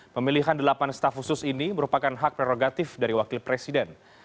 pemilihan delapan staff khusus ini merupakan hak prerogatif dari wakil presiden